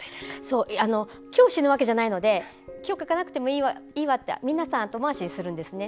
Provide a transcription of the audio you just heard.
今日死ぬわけじゃないので今日、書かなくてもいいわって皆さん後回しにするんですね。